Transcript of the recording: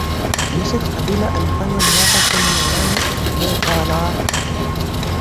Joseph kabila alifanya myika kumi na nane mu utawala wake